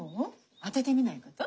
あててみないこと？